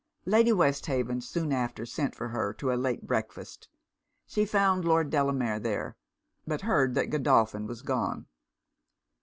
Lady Westhaven soon after sent for her to a late breakfast: she found Lord Delamere there; but heard that Godolphin was gone.